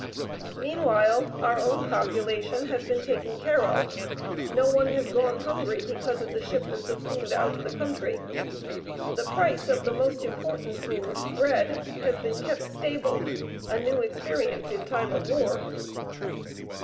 Meanwhile our own population has been taken care of. No one has gone hungry because of the shipments of food out of the country. The price of the most important food, bread, has been kept stable a new experience in time of war.